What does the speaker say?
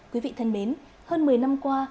quý vị thân mến hơn một mươi năm qua